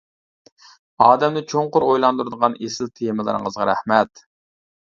ئادەمنى چوڭقۇر ئويلاندۇرىدىغان ئېسىل تېمىلىرىڭىزغا رەھمەت.